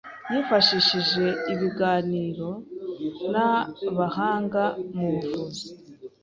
yifashishije ibiganiro n'abahanga mu buvuzi